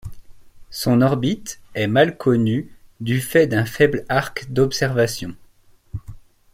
Son orbite est mal connu du fait d'un faible arc d'observation.